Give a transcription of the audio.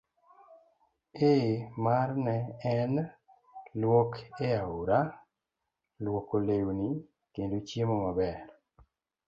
A. mar Ne en lwok e aora, lwoko lewni, kendo chiemo maber